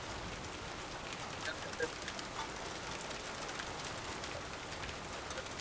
Los aeroplanos hicieron posible fotografiar grandes áreas a la vez.